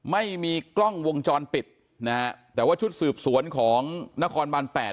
ไม่มีกล้องวงจรปิดนะฮะแต่ว่าชุดสืบสวนของนครบานแปด